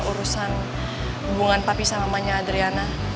urusan hubungan papi sama mamanya adriana